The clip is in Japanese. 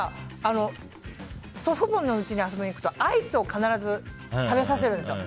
祖父母の家に遊びに行くとアイスを必ず食べさせるんですよ。